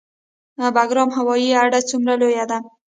بګرام هوایي اډه څومره لویه ده؟